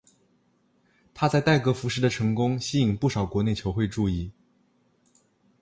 他在代格福什的成功吸引不少国内球会注意。